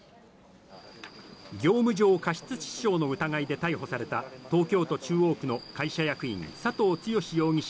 業務上過失致死傷の疑いで逮捕された東京都中央区の会社役員、佐藤剛容疑者